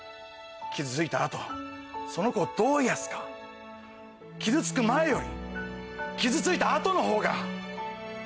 傷ついた後その子をどう癒やすか傷つく前より傷ついた後のほうが。